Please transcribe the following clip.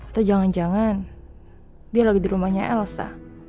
atau jangan jangan dia lagi di rumahnya elsa